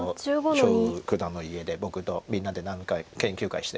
張栩九段の家で僕とみんなで何回か研究会して。